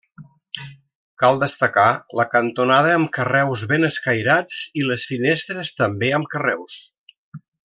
Cal destacar la cantonada amb carreus ben escairats i les finestres també amb carreus.